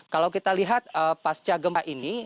kalau kita lihat pasca gempa ini